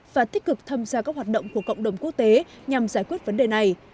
và tích cực tham gia các hoạt động của cộng đồng quốc tế nhằm giải quyết vấn đề này